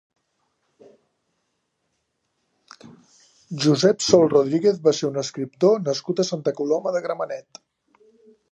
Josep Sol Rodríguez va ser un escriptor nascut a Santa Coloma de Gramenet.